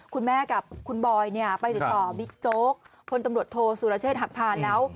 คุณแม่กับคุณบอยไปติดต่อบิ๊กโจ๊กพลตำรวจโทษสุรเชษฐหักพานแล้ว